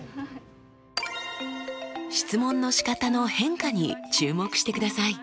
質問のしかたの変化に注目してください。